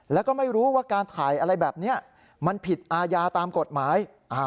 แล้วก็ไม่รู้ว่าการถ่ายอะไรแบบนี้มันผิดอาญาตามกฎหมาย